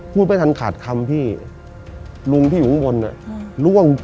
พูดไปทันขาดคำพี่ลุงพี่อยู่บนนอะร่วง